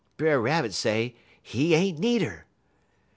Brer Rabbit say he ain't needer.